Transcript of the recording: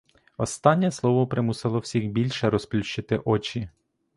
Останнє слово примусило всіх більше розплющити очі.